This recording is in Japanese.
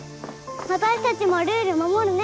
私たちもルール守るね！